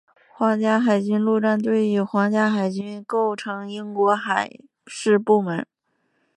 皇家海军陆战队并与皇家海军构成为英国海事部门。